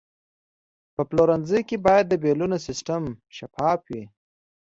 په پلورنځي کې باید د بیلونو سیستم شفاف وي.